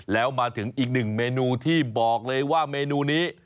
แล้วมาถึงอีกหนึ่งเมนูที่บอกเลยว่าเมนูนี้